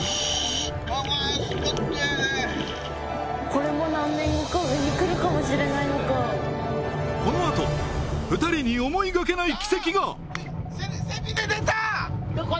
これも何年後か上に来るかもしれないのかこのあと２人に思いがけない奇跡がどこ？